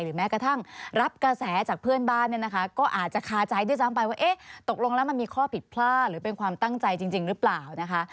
แม้กระทั่งรับกระแสจากเพื่อนบ้านเนี่ยนะคะก็อาจจะคาใจด้วยซ้ำไปว่าเอ๊ะตกลงแล้วมันมีข้อผิดพลาดหรือเป็นความตั้งใจจริงหรือเปล่านะคะ